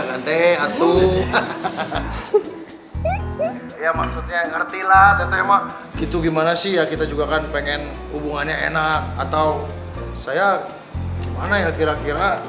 maksudnya ngerti lah itu gimana sih ya kita juga kan pengen hubungannya enak atau saya kira kira